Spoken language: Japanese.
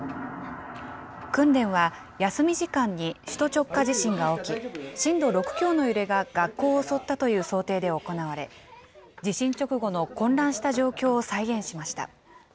訓練は、休み時間に首都直下地震が起き、震度６強の揺れが学校を襲ったという想定で行われ、地震直後の混乱した状況を再現しました。